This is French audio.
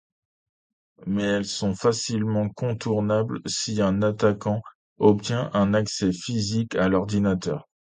Mais elles sont facilement contournables si un attaquant obtient un accès physique à l'ordinateur.